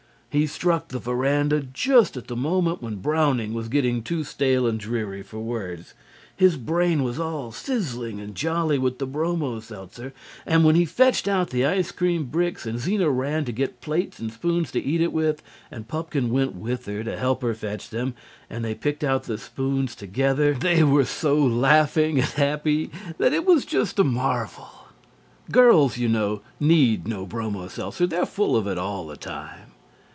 He struck the verandah just at the moment when Browning was getting too stale and dreary for words. His brain was all sizzling and jolly with the bromo seltzer, and when he fetched out the ice cream bricks and Zena ran to get plates and spoons to eat it with, and Pupkin went with her to help fetch them and they picked out the spoons together, they were so laughing and happy that it was just a marvel. Girls, you know, need no bromo seltzer. They're full of it all the time.